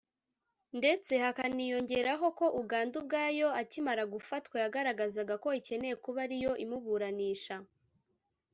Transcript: ndetse hakaniyongeraho ko Uganda ubwayo akimara gufatwa yagaragazaga ko ikeneye kuba ariyo imuburanisha